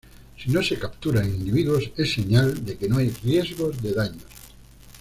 Si no se capturan individuos, es señal de que no hay riesgo de daños.